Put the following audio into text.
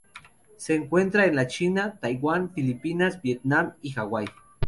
Se encuentra en la China, Taiwán, Filipinas, Vietnam y Hawaii.